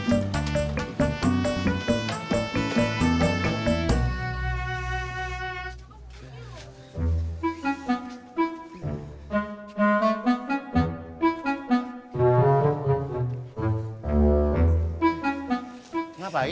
gua gak tau